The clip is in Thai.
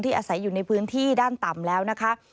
อาศัยอยู่ในพื้นที่ด้านต่ำแล้วนะคะ